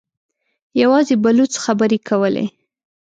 يواځې بلوڅ خبرې کولې.